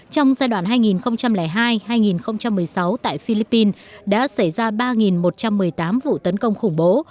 trong giai đoạn hai nghìn hai hai nghìn một mươi sáu tại philippines đã xảy ra ba một trăm một mươi tám vụ tấn công khủng bố